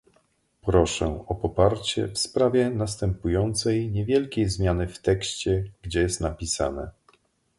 Proszę o poparcie w sprawie następującej niewielkiej zmiany w tekście, gdzie jest napisane